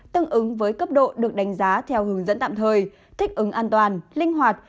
tương ứng với cấp độ được đánh giá theo hướng dẫn tạm thời thích ứng an toàn linh hoạt